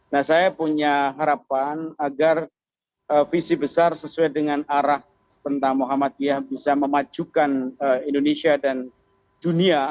nah saya punya harapan agar visi besar sesuai dengan arah tentang muhammadiyah bisa memajukan indonesia dan dunia